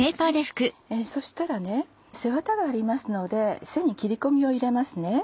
そうしたら背ワタがありますので背に切り込みを入れます。